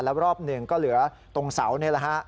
แล้วรอบหนึ่งก็เหลือตรงเสานี่แหละฮะ